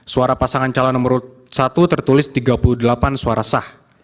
suara pasangan calon nomor satu tertulis tiga puluh delapan suara sah